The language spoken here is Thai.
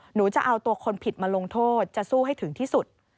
หนูจะเอาตัวคนผิดมาลงโทษจะสู้ให้ถึงที่สุด